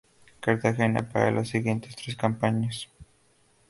Cartagena para las siguientes tres campañas.